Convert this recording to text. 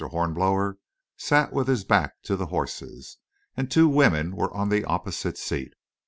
Hornblower sat with his back to the horses, and two women were on the opposite seat.